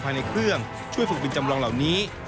ภายในเครื่องช่วยฝึกบินจำลองเหล่านี้